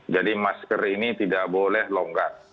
jadi masker ini tidak boleh longgar